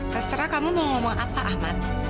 terserah kamu mau ngomong apa ahmad